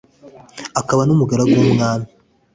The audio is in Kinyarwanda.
akaba n’umugaragu w’umwami